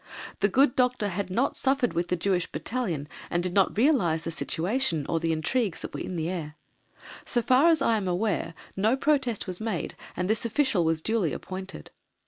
The good Doctor had not suffered with the Jewish Battalion and did not realize the situation or the intrigues that were in the air. So far as I am aware, no protest was made and this official was duly appointed.